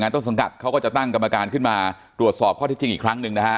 ต้นสังกัดเขาก็จะตั้งกรรมการขึ้นมาตรวจสอบข้อที่จริงอีกครั้งหนึ่งนะฮะ